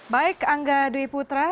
baik angga dwi putra